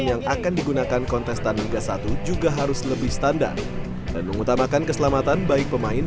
yang akan digunakan kontestan liga satu juga harus lebih standar dan mengutamakan keselamatan baik pemain